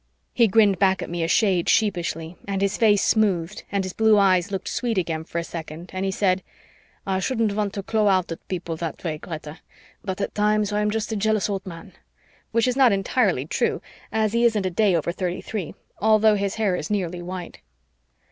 He grinned back at me a shade sheepishly and his face smoothed and his blue eyes looked sweet again for a second and he said, "I shouldn't want to claw out at people that way, Greta, but at times I am just a jealous old man," which is not entirely true, as he isn't a day over thirty three, although his hair is nearly white.